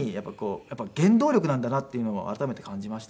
やっぱり原動力なんだなっていうのを改めて感じました。